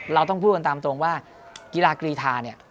เราต้องพูดกันตามตรงว่ากีฬากรีธาเนี่ย